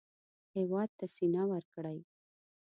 هېواد ته سینه ورکړئ